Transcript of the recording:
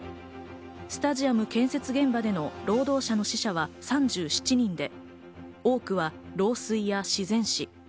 スタジアム建設現場での労働者の死者は３７人で、多くは老衰や自然死。